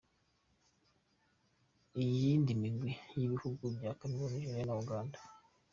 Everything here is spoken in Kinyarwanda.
Iyindi migwi niy'ibihugu vya Cameroun, Nigeria na Uganda.